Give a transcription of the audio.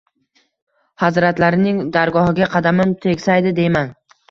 Hazratlarining dargohiga qadamim tegsaydi deyman.